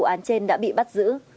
các bộ án trên đã bị bắt giữ